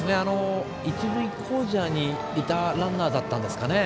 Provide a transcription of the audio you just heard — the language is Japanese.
一塁コーチャーにいたランナーだったんですかね。